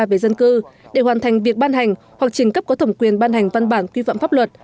về dân cư để hoàn thành việc ban hành hoặc trình cấp có thẩm quyền ban hành văn bản quy phạm pháp luật